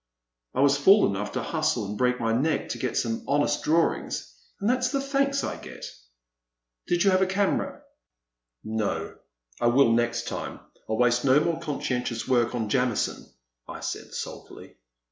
I was fool enough to hustle and break my neck to get some honest drawings, and that 's the thanks I get !"Did you have a camera ?"No. I will next time — I *11 waste no more conscientious work on Jamison,*' I said sulkily.